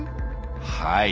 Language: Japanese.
はい。